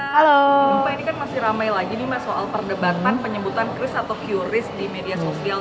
halo pak ini kan masih ramai lagi nih mas soal perdebatan penyebutan kris atau qris di media sosial